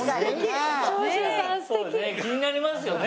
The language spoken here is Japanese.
気になりますよね